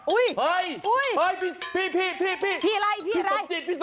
อุ๊ยพี่พี่อะไรพี่สมจิต